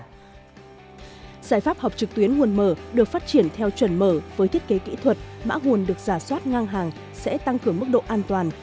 giải pháp học trực tuyến nguồn mở được phát triển theo chuẩn mở với thiết kế kỹ thuật mã nguồn được giả soát ngang hàng sẽ tăng cường mức độ an toàn